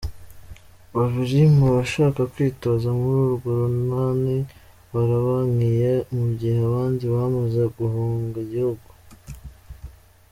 Babiri mubashaka kwitoza muri urwo runani barabankiye mu gihe abandi bamaze guhunga igihugu.